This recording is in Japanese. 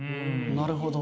なるほど。